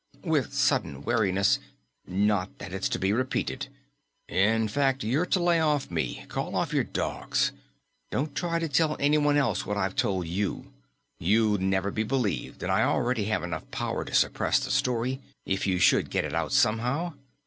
With sudden wariness: "Not that it's to be repeated. In fact, you're to lay off me; call off your dogs. Don't try to tell anyone else what I've told you. You'd never be believed and I already have enough power to suppress the story, if you should get it out somehow.